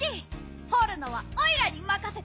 ほるのはオイラにまかせて！